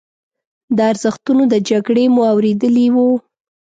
د ارزښتونو د جګړې مو اورېدلي وو.